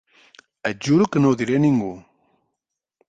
Et juro que no ho diré a ningú.